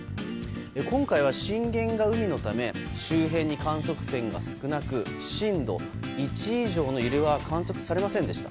今回は、震源が海のため周辺に観測点が少なく震度１以上の揺れは観測されませんでした。